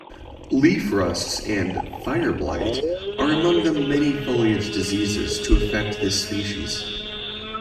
Leaf rusts and fireblight are among the many foliage diseases to affect this species.